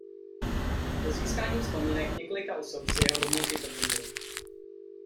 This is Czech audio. Po získání vzpomínek několika osob se jeho domněnky potvrdily.